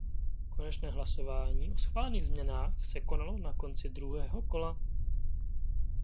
Konečné hlasování o schválených změnách se konalo na konci druhého kola.